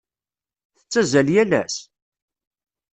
Tettazzal yal ass?